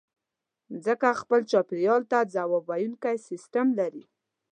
مځکه خپل چاپېریال ته ځواب ویونکی سیستم لري.